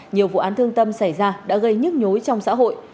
nhiều vụ án thương tâm xảy ra đã gây nhức nhối trong xã hội